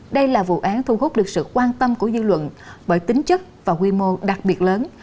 đây là vụ án thu hút được sự quan tâm của dư luận bởi tính chất và quy mô đặc biệt lớn